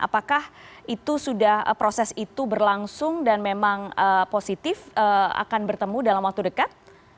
apakah itu sudah proses itu berlangsung dan memang positif akan bertemu dalam waktu dekat